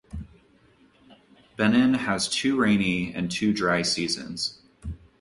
Benin has two rainy and two dry seasons.